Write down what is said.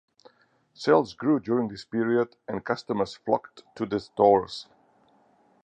Sales grew during this period and customers flocked to the stores.